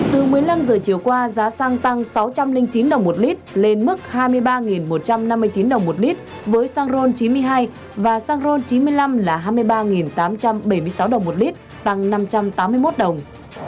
từ một mươi năm h chiều qua giá xăng tăng sáu trăm linh chín đồng một lít lên mức hai mươi ba một trăm năm mươi chín đồng một lít với xăng ron chín mươi hai và xăng ron chín mươi năm là hai mươi ba tám trăm bảy mươi sáu đồng một lít tăng năm trăm tám mươi một đồng